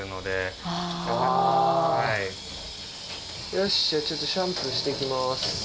よしじゃあちょっとシャンプーして行きます。